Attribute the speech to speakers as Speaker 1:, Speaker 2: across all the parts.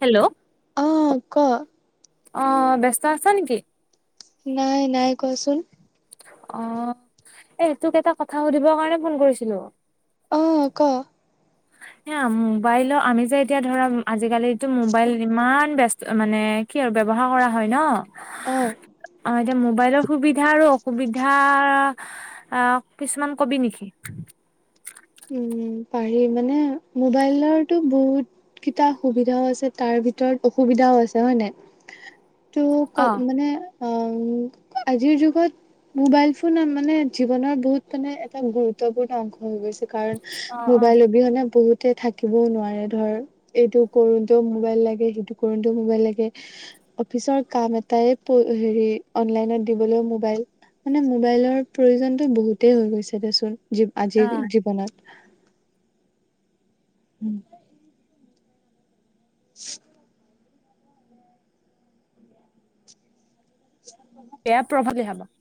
Speaker 1: Hello
Speaker 2: অ ক'।
Speaker 1: অ ব্যস্ত আছা নেকি?
Speaker 2: নাই, নাই। কোৱাচোন।
Speaker 1: অ এই তোক এটা কথা সুধিবৰ কাৰণে ফোন কৰিছিলোঁ।
Speaker 2: অ ক।
Speaker 1: [unintelligible] এয়া মোবাইলৰ আমি যে এতিয়া ধৰা আজিকালিতো মোবাইল ইমান ব্যস্ত মানে কি আৰু ব্যৱহাৰ কৰা হয় ন
Speaker 2: অ',
Speaker 1: ' অহ এতিয়া মবাইলৰ সুবিধা আৰু অস সুবিধা আ কিছুমান কবি নেকি?
Speaker 2: উম, পাৰি মানে মোবাইলৰটো বহুত কেইটা সুবিধাও আছে তাৰ ভিতৰত অসুবিধাও আছে হয় নাই?
Speaker 1: [inaudible]
Speaker 2: টো ক
Speaker 1: অ',
Speaker 2: মানে অ'
Speaker 1: [inaudible]
Speaker 2: আজিৰ যুগত মোবাইল ফোন মানে জীৱনৰ বহুত মানে এটা গুৰুত্বপূৰ্ণ অংশ হৈ গৈছে। কাৰণ
Speaker 1: অ', অ',
Speaker 2: মোবাইল অবিহনে বহুত থাকিবও নোৱাৰে ধৰ এইটো কৰোঁনতেও মোবাইল লাগে, সেইটো কৰোঁনতেও মোবাইল লাগে অফিচৰ কাম এটাইতো হেৰি অনলাইনত দিবলৈও মোবাইল মানে মোবাইলৰ প্ৰয়োজনটো বহুতেই হৈ গৈছে দেচোন।
Speaker 1: অ
Speaker 2: আজিৰ জীৱনত। উম [inaudible]
Speaker 1: বেয়া প্ৰভাৱ [unintelligible]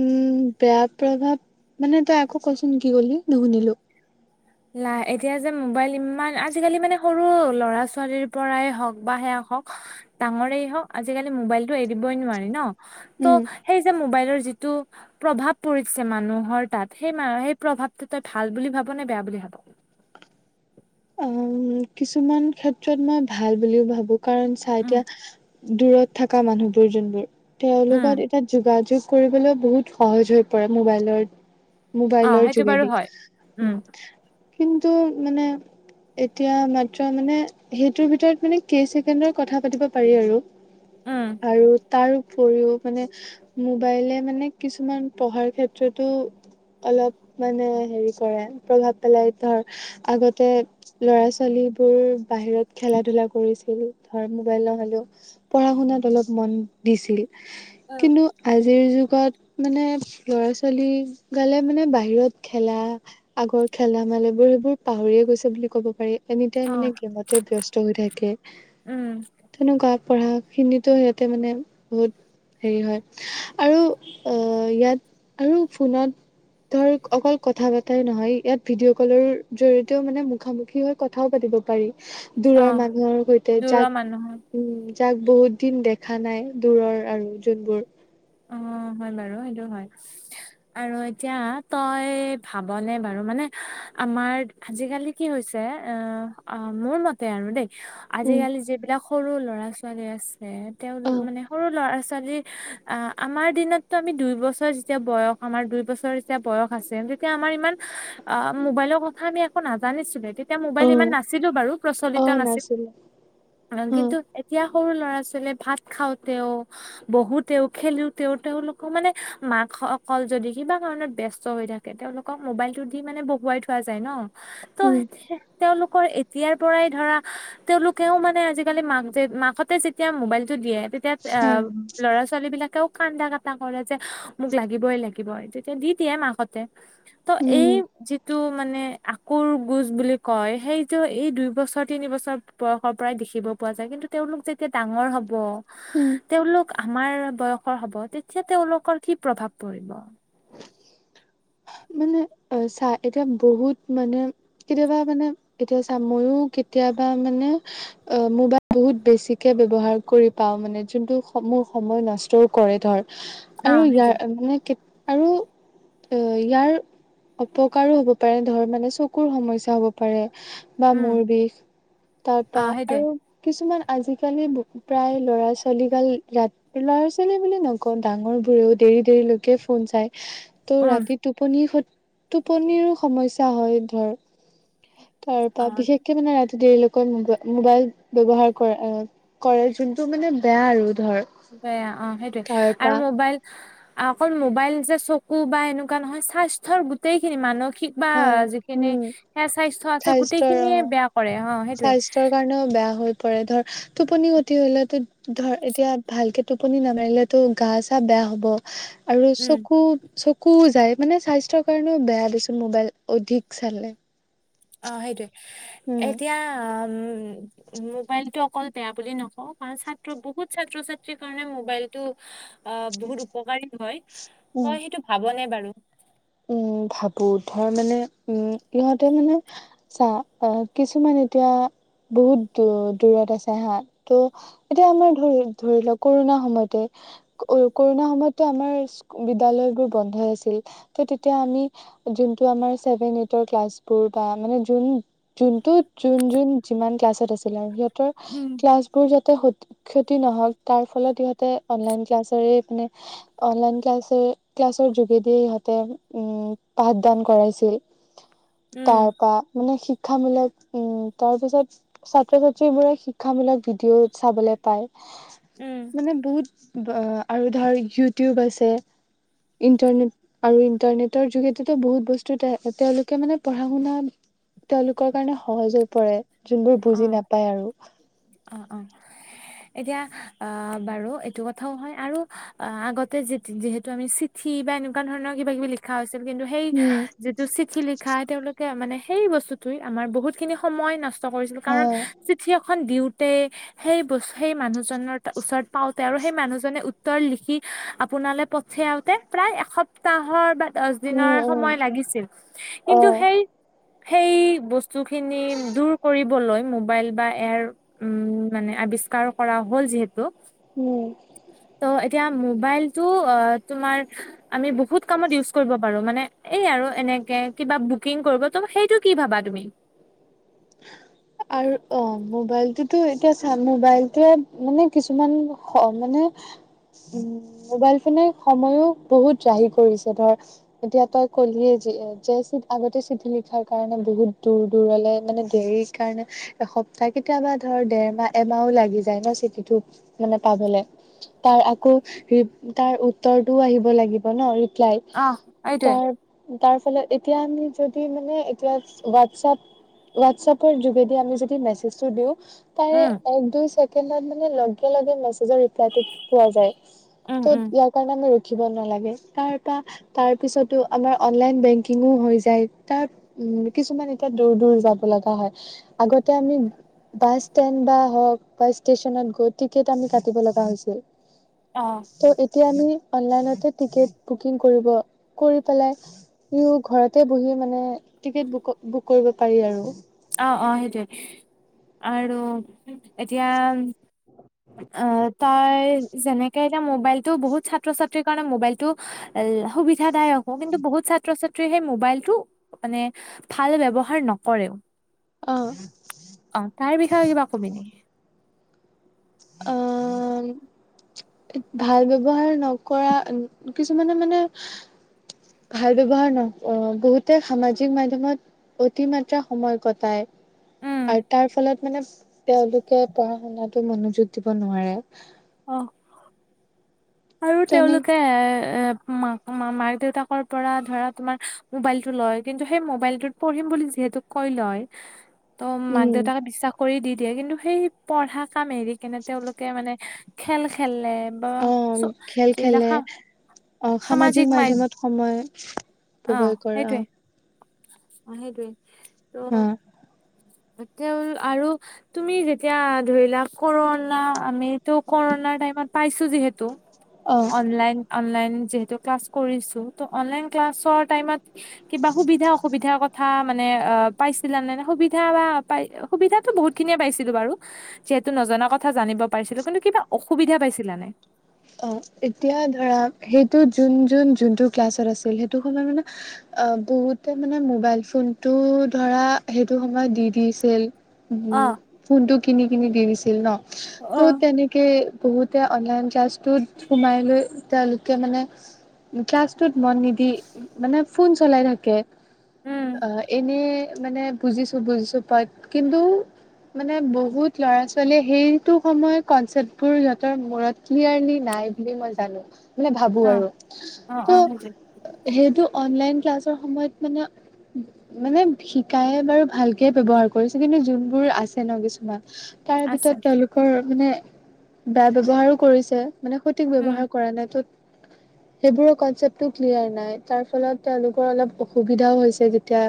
Speaker 2: উম, বেয়া প্ৰভাৱ মানে তই আকৌ কচোন কি কলি নুশুনিলো?
Speaker 1: লাহ এতিয়া যে মোবাইল ইম্মান আজিকালি মানে সৰু ল'ৰা- ছোৱালীৰ পৰাই হওক বা সেয়া হক ডাঙৰেই হক আজিকালি মোবাইলটো এৰিবই নোৱাৰে ন' ত
Speaker 2: উম
Speaker 1: 'সেইযে মোবাইল যিটো প্ৰভাৱ পৰিছে মানুহৰ তাত সেই- সেই প্ৰভাৱটো তই ভাল বুলি ভাব নে বেয়া বুলি ভাব? [inaudible]
Speaker 2: উম, কিছুমান ক্ষেত্ৰত মই ভাল বুলিও ভাবো কাৰণ চা
Speaker 1: উম
Speaker 2: এতিয়া দূৰত থাকা মানুহবোৰ যোনবোৰ
Speaker 1: উম
Speaker 2: তেওঁলোকত এতিয়া যোগাযোগ কৰিবলৈ বহুত সহজ হৈ পৰে মোবাইলত।
Speaker 1: অ
Speaker 2: মোবাইলৰ
Speaker 1: সেইটো বাৰু
Speaker 2: যোগেদি
Speaker 1: হয়
Speaker 2: উম কিন্তু মানে এতিয়া মাত্ৰ মানে সেইটোৰ ভিতৰত মানে কেই ছেকেণ্ডৰ কথা পাতিব পাৰি আৰু।
Speaker 1: উম
Speaker 2: আৰু তাৰ কৰিও মানে মোবাইলে মানে কিছুমান পঢ়াৰ ক্ষেত্ৰতো অলপ মানে হেৰি কৰে প্ৰভাৱ পেলায়, ধৰ আগতে ল'ৰা ছোৱালীবোৰ বাহিৰত খেল- ধূলা কৰিছিল ধৰ মোবাইল নহলেও পঢ়া শুনাত অলপ মন দিছিল
Speaker 1: অ
Speaker 2: কিন্তু আজিৰ যোগ ত মানে ল'ৰা -ছোৱালী গালে মানে বাহিৰত খেলা আগৰ খেলা মানে বোৰ সেইবোৰ পাহৰিয়ে গৈছে বুলি ক'ব পাৰি এনি
Speaker 1: অ
Speaker 2: টাইম মানে গেমতে ব্যস্ত হৈ থাকে।
Speaker 1: উম
Speaker 2: পঢ়াখিনিতো সিয়তে মানে বহুত হেৰি হয় আৰু অহ ইয়াত আৰু ফোনত ধৰ অকল কথা পতাই নহয় ইয়াত ভিডিঅ' কলৰ জৰিয়তেও মানে মুখামুখি কি হয় কথাও পাতিব পাৰি
Speaker 1: অ
Speaker 2: দূৰৰ মানুহৰ সৈতে যাক
Speaker 1: দূৰৰ মানুহৰ
Speaker 2: উম যাক বহুত দিন দেখা নায় দূৰৰ আৰু যোনবোৰ।
Speaker 1: অ', হয় বাৰু সেইটো হয় আৰু এতিয়া তই ভাবনে বাৰু মানে আমাৰ আজিকালি কি হৈছে অ', অহ মোৰ মতে আৰু দেই
Speaker 2: উম
Speaker 1: আজিকালি যিবিলাক সৰু ল'ৰা -ছোৱালী আছে তেওঁ
Speaker 2: অ
Speaker 1: মানে সৰু ল'ৰা -ছোৱাল আজিকালি আমাৰ দিনততো আমি দুই বছৰ যেতিয়া বয়স আমাৰ দুই বছৰ যেতিয়া বয়স আছে তেতিয়া আমাৰ ইমান অহ, মোবাইলৰ কথা আমি একো নাজানিছিলোয়ে তেত তেতিয়া মোবাইল
Speaker 2: অ
Speaker 1: ইমান নাছিলো বাৰু
Speaker 2: অ
Speaker 1: প্ৰচলিত নাছিল
Speaker 2: নাছিলে
Speaker 1: কাৰণ
Speaker 2: অ
Speaker 1: কিন্তু এতিয়া সৰু ল'ৰা -ছোৱালীয়ে ভাত খাওঁতেও বহুত তেওঁ খেলিওঁ তেওঁ তেওঁলোকক মানে মাক অকল যদি কিবা কাৰণত ব্যস্ত হৈ থাকে তেওঁলোকক মোবাইলটো দি মানে বহুৱাই থোৱা যায় ন ত
Speaker 2: উম
Speaker 1: সে তেওঁলোকৰ কৈ এতিয়াৰ পৰাই ধৰা তেওঁলোকেওঁ মানে আজিকালি মাক যে মাকহতে যেতিয়া মোবাইলটো দিয়ে। তেতিয়া এ
Speaker 2: অ
Speaker 1: ল'ৰা ছোৱালী বিলাকেও কান্দা- কটা কৰে যে মোক লাগিবই লাগিব তেতিয়া দি দিয়ে মাকহতে। ত
Speaker 2: উম
Speaker 1: এই যিটো মানে আকুৰ গোজ বুলি কয় সেইটো এই দুই বছৰ তিনি বছৰ বয়সৰ পৰাই দেখিব পোৱা যায় কিন্তু তেওঁলোক যেতিয়া ডাঙৰ হ'ব
Speaker 2: উম
Speaker 1: তেওঁলোক আমাৰ বয়সৰ হব তেতিয়া তেওঁওলোকৰ কি প্ৰভাৱ পৰিব?
Speaker 2: মানে অঁ চা এতিয়া বহুত মানে কেতিয়াবা মানে এতিয়া চা মইও কে কেতিয়াবা মানে অঁ মোবাইল বহুত বেছিকে ব্যৱহাৰ কৰি পাও মানে যোনটো মোৰ সময় নষ্টও কৰে ধৰ আৰু ইয়াৰ
Speaker 1: সেইটোৱে
Speaker 2: মানে আৰু ইয়াৰ অপকাৰো হ'ব পাৰে ধৰ মানে চকুৰ সমস্যা হ'ব পাৰে। বা
Speaker 1: উম
Speaker 2: মূৰ বিষ
Speaker 1: অ
Speaker 2: তাৰপা
Speaker 1: সেইটোৱে
Speaker 2: আৰু কিছুমান আজিকালি ব প্ৰায় ল'ৰা ছোৱালীকাল ৰা ল'ৰা ছোৱালী বুলি নকওঁ ডাঙৰ বোৰেও দে দেৰি দেৰি লৈকে ফোন চাই ত
Speaker 1: উম
Speaker 2: ৰাতি টোপনিৰ টোপনিৰো খ সমস্যা হয় ধৰ। তাৰ
Speaker 1: অ
Speaker 2: পৰা বিশেষকে মানে ৰা দেৰিলৈকে মবাই মোবাইল ব্যৱহাৰ কৰে কৰে যোনটো মানে বেয়া আৰু। ধৰ
Speaker 1: বেয়া অঁ সেইটোৱেই
Speaker 2: তাৰ
Speaker 1: আৰু
Speaker 2: পৰা
Speaker 1: মোবাইল অঁহ অকল মোবাইল যে চকু বা এনেকুৱা নহয় স্বাস্থ্যৰ গোটেইখিনি মানুহ। খিক বা
Speaker 2: হয়
Speaker 1: যিখিনি
Speaker 2: উম
Speaker 1: সে স্বাস্থ্য আছে গোটেই
Speaker 2: স্বাস্থ্যৰ
Speaker 1: খিনিয়ে
Speaker 2: অ
Speaker 1: বেয়া কৰে। অ সেইটোৱে
Speaker 2: স্বাস্থ্যৰ কাৰণেও বেয়া হৈ পৰে ধৰ টোপনি খতি হলে তো ধৰ এতিয়া, ভালকে টোপনি নামাৰিলে টো গা-চা বেয়া হ'ব আৰু
Speaker 1: উম
Speaker 2: চকু। চকুও যায়, মানে স্বাস্থ্যৰ কাৰণেও বেয়া দেচোন মোবাইল অধিক চালে।
Speaker 1: অঁ সেইটোৱে,
Speaker 2: উম
Speaker 1: এতিয়া উ মোবাইলতটো অকল বেয়া বুলি নকওঁৱ কাৰণ ছাত্ৰ বহুত ছাত্ৰ ছাত্ৰীৰ কাৰণে মোবাইলতটো অঁ বহুত উপকাৰী হয়,
Speaker 2: উম
Speaker 1: তই সেইটো ভাবনে বাৰু?
Speaker 2: উম ভাবো ধৰ মানে উম ইহঁতে মানে চা অঁ অঁ কিছুমান তেতিয়া বহুত দু দূৰত আছে হা টো এতিয়া আমাৰ ধৰি ধৰি লওঁ কৰোণা সময়তে। কৰুণা সময়তো আমাৰ বিদ্যালয়ৰ বোৰ গন্ধ আছিল ট তেতিয়া আমি জোনটো আমৰ চেভেন এইটৰ ক্লাছ- কৰোঁতা মানে জুন জোনটো জুন জুন যিমান ক্লাছত আছিলে আওঁ জতে
Speaker 1: উম।
Speaker 2: ক্লাছ কৰী যাতে হতিক্ষতি নহয় তাৰ ফলত ইহঁতে অনলাইন ক্লাছ কৰিয়ে পিনে অনলাইন ক্লাছৰ ক্লাছৰ যোগেদিয়ে ইহঁতে উম- পাঠদান কৰাইছিল, তাৰ
Speaker 1: উম,
Speaker 2: পা মানে শিখ শিক্ষামূলক উম তাৰ পিছত ছাত্ৰ ছাত্ৰী বোৰে শিক্ষামূলক ভিডিঅ চাবলৈ পায়।
Speaker 1: উম,
Speaker 2: মানে বহুত আৰু ধৰ ইউটিউব আছে, ইণ্টাৰনেট। আৰু ইন্টাৰনেটৰ যোগেদিতো বহুত বস্তু, তেওঁলোকে মানে পঢ়া শুনা তেওঁলোকৰ কাৰনে সহজ হৈ পৰে যোনবোৰ বুজি
Speaker 1: অ',
Speaker 2: নাপায় আৰু
Speaker 1: অ', অ'। এতিয়া আঁ বাৰু এইটো কথাওঁ হয় আৰু অঁ আগতে য যিহেতু আমি চিঠি টি বা এনেকুৱা ধৰণৰ কিবা কিবি লিখা হৈছিল কিন্তু সেই
Speaker 2: উম,
Speaker 1: যিটো চিঠি লিখা অলপ মানে সেই বস্তুতে আমাৰ বহুত খিনি সময় নষ্ট কৰিছিল,
Speaker 2: হা,
Speaker 1: কাৰণ চিঠিয়ে দিওঁতে সেই বস্তু সেই মানুহজনৰ ওচৰত পাওঁতে আৰু সেই মানুহজনে উত্তৰ লিখি আপোনালে পঠিয়াওঁতে প্ৰায় এসপ্তাহৰ বা দছ
Speaker 2: উম,
Speaker 1: দিনৰ
Speaker 2: উম,
Speaker 1: সময় লাগিছিল, কিন্তু
Speaker 2: অ',
Speaker 1: সেই সেই বস্ত। বস্তু খিনি দূৰ কৰিবলৈ মোবাইল বা এয়াৰ, উম মানে আৱিষ্ কৰা হ'ল যিহেতু
Speaker 2: উম।
Speaker 1: ত' এতিয়া মোবাইলতটো অ তোমাৰ আমি বহুত কামত ইউজ কৰিব পাৰো মানে এই আৰু এনে। এনেকে কিবা বুকিং কৰিব, সেইটো কি ভাবা তুমি?
Speaker 2: আৰু অ মোবাইলটোতো এতিয়া চা মোবাইলটোৱে মানে কিছুমান খ মানে [unintelligible] উ মোবাইল ফোনে সময়ো বহুত ৰাহি কৰিছে, ধৰ এতিয়া তই ক'লে যে। যে চিঠ আগতে চিঠি লিখাৰ কাৰণে বহুত দূৰ দূৰলে মানে সেই কাৰণে এসপ্তাহ কেতিয়াবা ধৰ দেৰমাহ এমাহও লাগি যায় ন চিটিটো মানে প পাবলে তাৰ আকৌ তাৰ উতৰ টো আহিব লাগিব ন লাই
Speaker 1: অ' এইটোৱে।
Speaker 2: তাৰ তাৰ ফলত এতিয়া আমি যদি মানে হোৱাটছএপ হোৱাটচাপৰ যোগেদি আমি যদি মেজটো দিও তাৰে
Speaker 1: উম,
Speaker 2: এক দুই ছে ছেকেণ্ডত মানে লগে লগে মেজৰ ৰিপ্লাইটো পোৱা যায়,
Speaker 1: উম,
Speaker 2: ত
Speaker 1: উম,
Speaker 2: ইয়াৰ কাৰণে ৰ ৰখিব নালাগে তাৰপা তাৰ পিছতো আমাৰ অনলাইন বেংকিংউ হৈ যায় তাৰ উ কিছুমান এতিয়া দূৰ দূৰ যাব লগা হয়, আগতে আমি বাছ ষ্টেণ্ড বা হওক বা ষ্টেচনত গৈ টিকট আমি কাটিব লগা হৈছিল,
Speaker 1: অ',
Speaker 2: ত' এতিয়া আমি অনলাইনতে টিকেট বুকিং কৰিব কৰি পেলাইও ঘৰতে বহি মানে টিকেট বুক বুক কৰিব পাৰি আৰু
Speaker 1: অঁ অঁ সেইটোৱে আৰু এতিয়া- আঁহ তাই যেনেকে এতিয়া মোবাইলতটো বহুত ছাত্ৰ ছাত্ৰীৰ কাৰণে মোবাইল টো সুবিধাদায়ক হ কিন্তু বহুত ছাত্ৰ -ছাত্ৰীয়ে সেই মোবাইলটো মানে ভাল ব্যৱহাৰ নকৰে।
Speaker 2: আহ।
Speaker 1: তই কিবা নেকি।
Speaker 2: অঁ ভাল ব্যৱহাৰ নকৰা কিছুমানে মানে। ভাল ব্যৱহাৰ ন অঁ বহুতে সামাজিক মাধ্যয়মত অতিমাত্ৰা সময় কটায়
Speaker 1: উম।
Speaker 2: আৰু তাৰ ফলত মানে তেওঁলোকে পঢ়া শুনাতো মনোযোগ দিব নোৱাৰে।
Speaker 1: অ' আৰু
Speaker 2: তেনে
Speaker 1: তেওঁলোকে এ মাকা মাক দেউতাকৰ পৰা ধৰা তোমাৰ মোবাইলতটো লয় কিন্তু সেই মোবাইলতত পঢ়িম যিহেতো কৈ লয় ত মাক
Speaker 2: উম
Speaker 1: দেউতাক বিশ্বাস কৰি দি দিয়ে কিন্তু সেই পঢ়া কাম এৰি কিনে তেওঁলোকে মানে খেল খেলে বা-
Speaker 2: অ
Speaker 1: যি
Speaker 2: খেল
Speaker 1: যিদিনা
Speaker 2: খেলে
Speaker 1: খন।
Speaker 2: অ সামাজিক মাধ্যমত সময় উপৱয় কৰে আহ
Speaker 1: আহতোৱেই ত তেওঁ আৰু তুমি যেতিয়া ধৰিলা কৰোণ আমিতো কৰোণা টাইমত পাইছো যিহেতু।
Speaker 2: অ অ
Speaker 1: লন অনলাইন যিহেতু ক্লাছ কৰিছো ত অনলাইন ক্লাছৰ টাইমত কিবা সুবিধা অসুবিধাৰ কথা মানে অ পাইছিলা নে নে সুবিধা। সুবিা বা পাই সুবিধাতো বহুত খিনিয়ে পাইছিলো বাৰু যিহেতু নজনা কথা জানিব পাৰিছিলো কিন্তু কিবা। অসুবিধা পাইছিলা নাই?
Speaker 2: অঁ এতিয়া ধৰা সেইটো যোন য যোনটো ক্লাছত আছিল সেইটো সময়ত মানে অঁ বহুতে মানে মোবাইল ফোনটো ধৰা সেইটো সময়ত দি দিছিল। উ
Speaker 1: অ'
Speaker 2: ফোনটো কিনি কিনি দিছিল ন ত'
Speaker 1: অ'
Speaker 2: তেনেকে বহুতে অনলাইন ক্লাছটো সোমাই লৈ তেওঁলোকে মানে ক্লাছটোত মন নিদি মানে ফোন চলাই থাকে
Speaker 1: উম
Speaker 2: অ এনে- মানে বুজিছো, বুজিছো। পাই কিন্তু মানে বহুত ল'ৰা ছোৱালীয়ে সেইটো সময় কনচেপ্ট বোৰ সিহঁতৰ মূৰত ক্লিয়াৰলি নাই বুলি মই জানো। মানে ভাবো
Speaker 1: অ'
Speaker 2: আৰু
Speaker 1: অ' অ' সেইটোৱে
Speaker 2: ত সেইটো অনলাইন ক্লাছৰ সময়ত মানে মানে শিকায় বাৰু ভালকে ব্যৱহাৰৰ কৰিছে কিন্তু যোনবোৰ আছে ন কিছুমান তাৰ
Speaker 1: আছে
Speaker 2: ভিতৰত
Speaker 1: আছে।
Speaker 2: তেওঁলোকৰ মানে বেয়া ব্যৱহাৰো কৰিছে। মানে সঠিক
Speaker 1: উম
Speaker 2: ব্যৱহাৰ কৰা নাই। ত'
Speaker 1: [inaudible]
Speaker 2: সেইবোৰৰ কনচেপটো ক্লিয়াৰ নাই। তাৰ ফলত তেওঁলোকৰ অলপ অসুবিধাও হৈছে যেতিয়া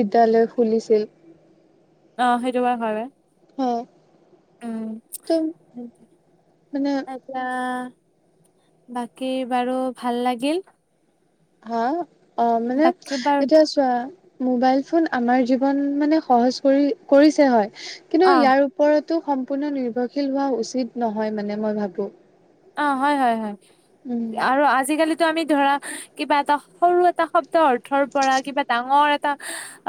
Speaker 2: বিদ্যালয় খুলিছিল
Speaker 1: অ, সেইটো বাও হয়।
Speaker 2: হয়। ত মানে
Speaker 1: আটছা বাকী বাৰু ভাল লাগিল।
Speaker 2: হা? অ মানে
Speaker 1: বাকী বাৰু
Speaker 2: এতিয়া চোৱা মোবাইল ফোন আমাৰ জীৱন মানে সহজ কৰি কৰিছে হয়। কিন্তু
Speaker 1: অ'
Speaker 2: ইয়াৰ ওপৰত টো সম্পূৰ্ণ নিৰ্ভৰশীল হোৱা উচিত নহয় মানে মই ভাবো।
Speaker 1: অ, হয়-হয়-হয়
Speaker 2: উম
Speaker 1: আৰু আজিকালিতো আমি ধৰা কিবা এটা সৰু এটা শব্দ অৰ্থৰ পৰা কিবা ডাঙৰ এটা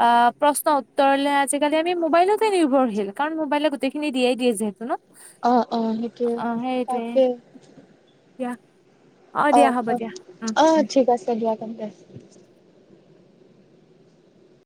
Speaker 1: টা প্ৰশ্ন উত্তৰলে আজিকালি আমি মোবাইলতে নিৰ্ভৰশীল। কাৰণ মোবাইলে গোটেইখিনি দিয়েই দি যিহেতু ন?
Speaker 2: অ, অ। সেইটোৱে। তাকে।
Speaker 1: কিয়া
Speaker 2: অ-অ-আহ। ঠিক আছে দিয়া তেন্তে।